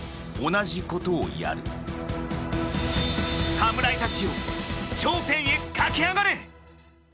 侍たちよ、頂点へ駆けあがれ。